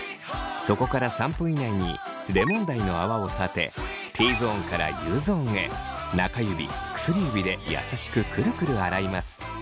そこから３分以内にレモン大の泡を立てＴゾーンからＵゾーンへ中指薬指で優しくくるくる洗います。